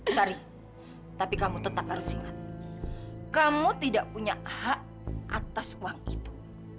sari tapi kamu tetap harus ingat kamu tidak punya hak atas uang itu